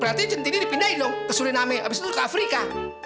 berarti jenti dipindahin dong ke suriname abis itu ke afrika